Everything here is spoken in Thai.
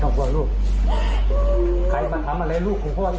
ถึงจะเอาชีวิตแรกพ่อก็ยอม